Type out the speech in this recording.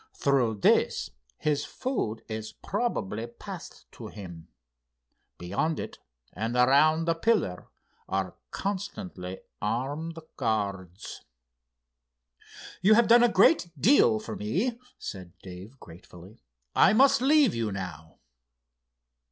Through this his food is probably passed to him. Beyond it and around the pillar are constantly armed guards." "You have done a great deal for me," said Dave gratefully. "I must leave you now."